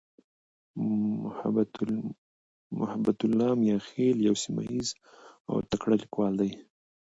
محبتالله "میاخېل" یو سیمهییز او تکړه لیکوال دی.